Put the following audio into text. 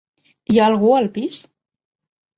Hi ha algú al pis?